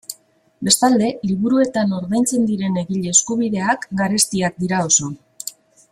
Bestalde, liburuetan ordaintzen diren egile eskubideak garestiak dira oso.